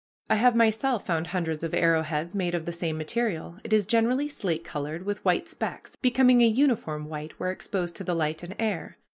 I have myself found hundreds of arrow heads made of the same material. It is generally slate colored, with white specks, becoming a uniform white where exposed to the light and air.